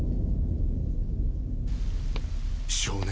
少年。